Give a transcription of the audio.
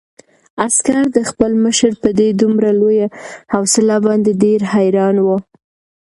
عسکر د خپل مشر په دې دومره لویه حوصله باندې ډېر حیران و.